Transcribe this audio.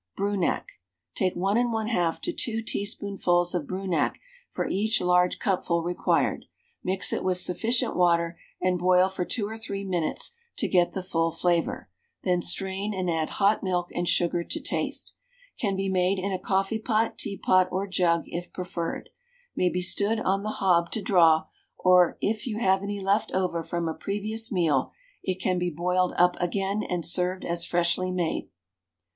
BRUNAK. Take 1 1/2 to 2 teaspoonfuls of Brunak for each large cupful required, mix it with sufficient water, and boil for 2 or 3 minutes to get the full flavour, then strain and add hot milk and sugar to taste. Can be made in a coffee pot, teapot, or jug if preferred. May be stood on the hob to draw; or it you have any left over from a previous meal it can be boiled up again and served as freshly made.